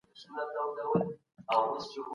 که یو کاتب په دقت لیکل وکړي نو غلطي نه کوي.